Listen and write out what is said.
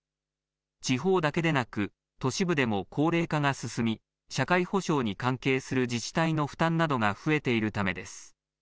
地方だけでなく都市部でも高齢化が進み社会保障に関係する自治体の負担などが増えているためです。